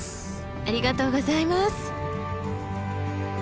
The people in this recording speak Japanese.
ありがとうございます！